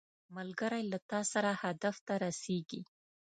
ملګری له تا سره هدف ته رسیږي